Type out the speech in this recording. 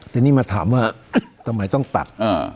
ทีนี้มาถามว่าทำไมต้องตัด